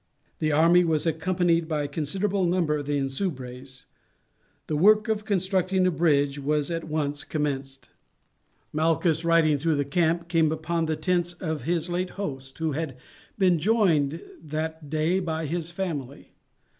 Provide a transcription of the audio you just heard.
The army was accompanied by a considerable number of the Insubres. The work of constructing a bridge was at once commenced. Malchus, riding through the camp, came upon the tents of his late host, who had been joined that day by his family.